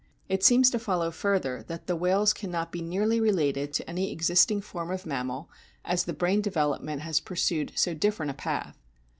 It seems to follow further that the whales cannot be nearly related to any existing form 8o A BOOK OF WHALES of mammal as the brain development has pursued so different a path.